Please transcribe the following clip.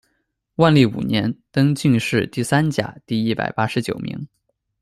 万历五年，登进士第三甲第一百八十九名。